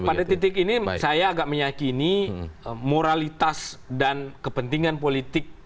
pada titik ini saya agak meyakini moralitas dan kepentingan politik